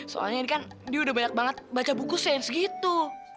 soalnya ini kan dia udah banyak banget baca buku sains gitu